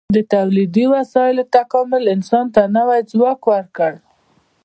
د تولیدي وسایلو تکامل انسان ته نوی ځواک ورکړ.